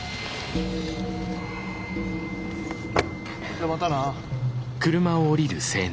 じゃまたな。